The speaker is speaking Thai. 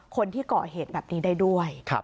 คนที่เกาะเหตุแบบนี้ได้ด้วย